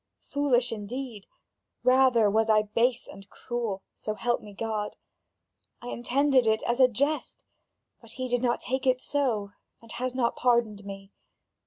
Foolish indeed? Rather was I base and cruel, so help me God. I intended it as a jest, but he did not take it so, and has not pardoned me.